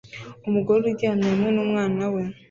Umugore uryamye hamwe numwana we